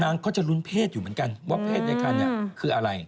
ก็จะลุ้นเพศอยู่เหมือนกันว่าเพศในคันเนี่ยคืออะไร